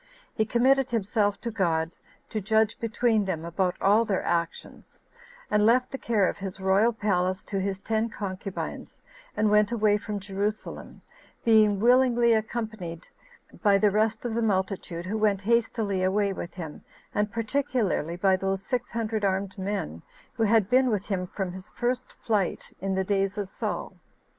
He committed himself to God, to judge between them about all their actions; and left the care of his royal palace to his ten concubines, and went away from Jerusalem, being willingly accompanied by the rest of the multitude, who went hastily away with him, and particularly by those six hundred armed men, who had been with him from his first flight in the days of Saul.